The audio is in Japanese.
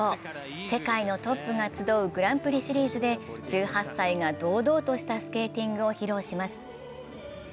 世界のトップが集うグランプリシリーズで１８歳が堂々としたスケーティングを披露します。